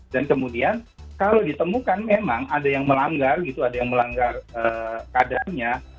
dan kemudian kalau ditemukan memang ada yang melanggar gitu ada yang melanggar kadangnya